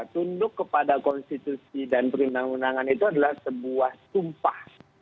tunduk kepada konstitusi dan perundang undangan itu adalah sebuah sumpah